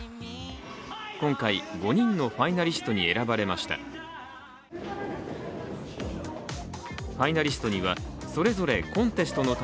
今回５人のファイナリストに選ばれました。